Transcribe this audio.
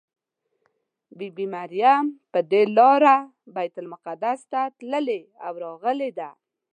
بي بي مریم پر دې لاره بیت المقدس ته تللې او راغلې ده.